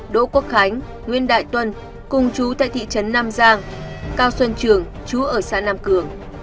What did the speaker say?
đỗ quốc khánh nguyễn đại tuân cùng chú tại thị trấn nam giang cao xuân trường chú ở xã nam cường